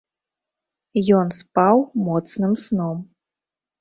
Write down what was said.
Ён спаў моцным сном.